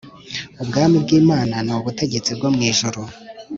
Ubwami bw’Imana ni ubutegetsi bwo mu ijuru